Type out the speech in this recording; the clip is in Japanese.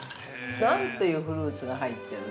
◆何というフルーツが入ってるの？